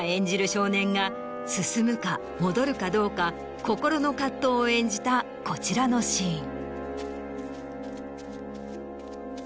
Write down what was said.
少年が進むか戻るかどうか心の葛藤を演じたこちらのシーン。